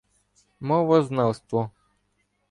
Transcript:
Мовознавство